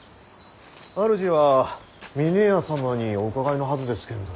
主は峰屋様にお伺いのはずですけんど。